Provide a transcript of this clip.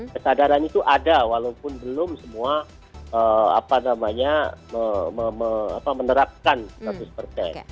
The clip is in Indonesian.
kesadaran itu ada walaupun belum semua menerapkan status perteng